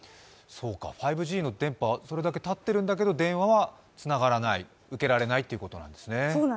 ５Ｇの電波、それだけ立っているんだけど電話はつながらない、受けられないということなんですね。